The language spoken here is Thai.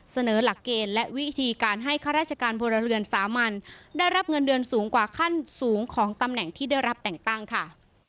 หลักเกณฑ์และวิธีการให้ข้าราชการพลเรือนสามัญได้รับเงินเดือนสูงกว่าขั้นสูงของตำแหน่งที่ได้รับแต่งตั้งค่ะ